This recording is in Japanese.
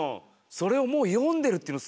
それをもうよんでるっていうのすごいな。